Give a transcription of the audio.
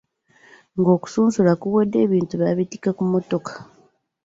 Ng'okusasula kuwedde, ebintu baabitika ku mmotoka.